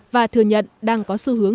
và thừa nhận đang có xu hướng